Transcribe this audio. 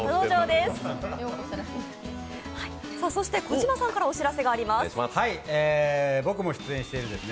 児嶋さんからお知らせがあります。